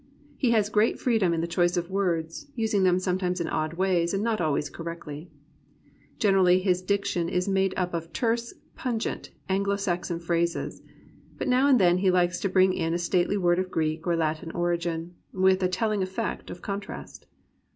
He has great freedom in the choice of words, using them sometimes in odd ways and not always correctly. Generally his dic tion is made up of terse, pungent Anglo Saxon phrases, but now and then he likes to bring in a stately word of Greek or Latin origin, with a telling effect of contrast.